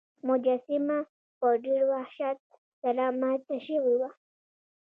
مجسمه په ډیر وحشت سره ماته شوې وه.